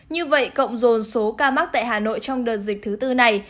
như vậy cộng dồn số ca mắc tại hà nội trong đợt dịch thứ tư này